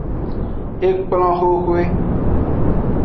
Ekplon hwehwe.